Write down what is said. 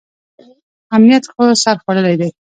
امنیت خو سر خوړلی دی.